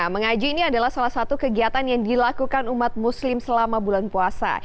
mengaji ini adalah salah satu kegiatan yang dilakukan umat muslim selama bulan puasa